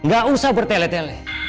gak usah bertele tele